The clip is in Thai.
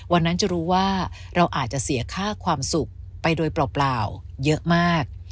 วันนั้นจะรู้ว่าเราอาจจะเสียค่าความสุขไปโดยเปล่าเยอะมาก